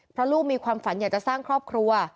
เพราะลูกมีความฝันอยากจะสร้างครอบครัว